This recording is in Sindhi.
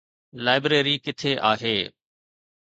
لائبريري ڪٿي آهي؟